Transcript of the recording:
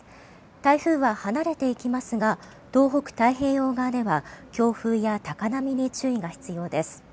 台風は離れていきますが東北太平洋側では強風や高波に注意が必要です。